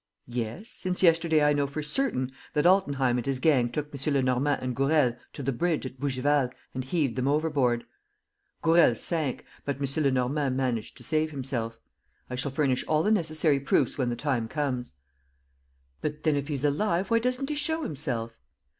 "Yes, since yesterday I know for certain that Altenheim and his gang took M. Lenormand and Gourel to the bridge at Bougival and heaved them overboard. Gourel sank, but M. Lenormand managed to save himself. I shall furnish all the necessary proofs when the time comes." "But, then, if he's alive, why doesn't he show himself?"